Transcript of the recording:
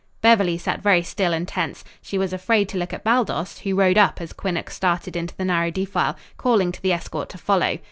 Beverly sat very still and tense. She was afraid to look at Baldos, who rode up as Quinnox started into the narrow defile, calling to the escort to follow.